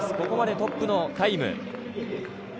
ここまでトップのタイム。